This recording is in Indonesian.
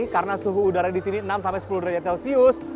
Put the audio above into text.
karena suhu udara di sini enam sepuluh derajat celcius